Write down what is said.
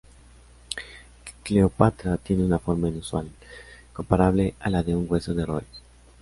Cleopatra tiene una forma inusual, comparable a la de un hueso de roer.